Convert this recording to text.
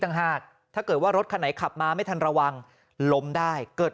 ต่างหากถ้าเกิดว่ารถคันไหนขับมาไม่ทันระวังล้มได้เกิด